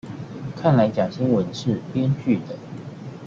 看來假新聞是編劇的